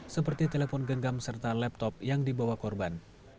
seperti telepon genggam serta laptop yang dibawa korban